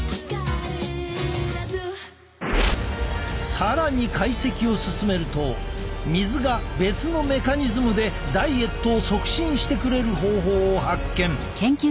更に解析を進めると水が別のメカニズムでダイエットを促進してくれる方法を発見。